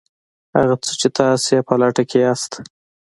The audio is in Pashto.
هغه څه چې تاسې یې په لټه کې یاست